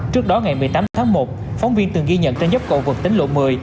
trước đó ngày một mươi tám tháng một phóng viên từng ghi nhận trên dốc cầu vật tính lộ một mươi